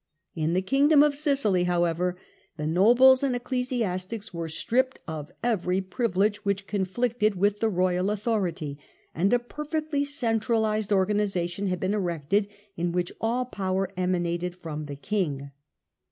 In the Kingdom of Sicily, however, the nobles and ecclesiastics were stripped of every privilege which conflicted with the royal authority, and a perfectly centralised organisation had been erected in which all power emanated from the King.